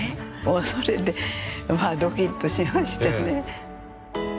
それでドキッとしましてね。